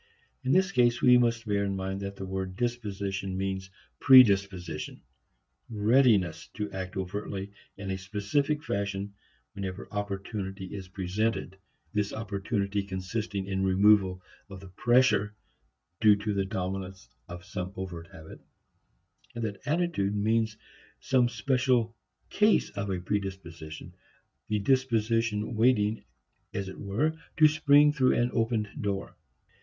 In this case, we must bear in mind that the word disposition means predisposition, readiness to act overtly in a specific fashion whenever opportunity is presented, this opportunity consisting in removal of the pressure due to the dominance of some overt habit; and that attitude means some special case of a predisposition, the disposition waiting as it were to spring through an opened door.